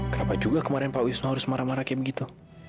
kenapa juga pak wisnu harus marah marah seperti itu